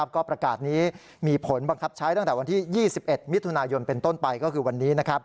ก็ประกาศนี้มีผลบังคับใช้ตั้งแต่วันที่๒๑มิถุนายนเป็นต้นไปก็คือวันนี้